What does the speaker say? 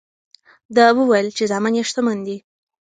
ده وویل چې زامن یې شتمن دي.